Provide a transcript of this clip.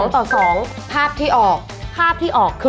ต่อ๒ภาพที่ออกภาพที่ออกคือ